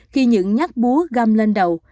khi những nhắc búa gam lên đầu